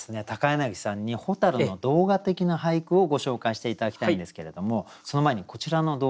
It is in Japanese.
柳さんに蛍の動画的な俳句をご紹介して頂きたいんですけれどもその前にこちらの動画をご覧下さい。